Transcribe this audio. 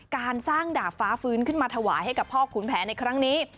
การสร้างดาบฟ้าฟื้นขึ้นมาถวายให้กับพ่อขุนแผนในครั้งนี้